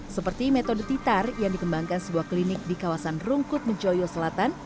seperti metode titar yang dikembangkan sebuah klinik di kawasan rungkut mejoyo selatan